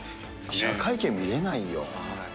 記者会見見れないよ。